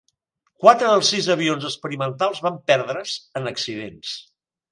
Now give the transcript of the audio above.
Quatre dels sis avions experimentals van perdre's en accidents.